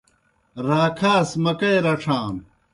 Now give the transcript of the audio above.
راکھاس سہ مکئی رڇھانوْ۔